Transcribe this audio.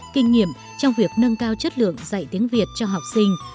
kinh nghiệm trong việc nâng cao chất lượng dạy tiếng việt cho học sinh